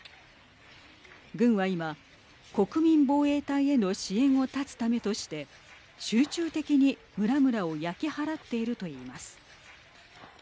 軍は今、国民防衛隊への支援を断つためとして集中的に村々を焼き払っていると言います。